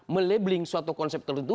melabeling suatu konsep tertentu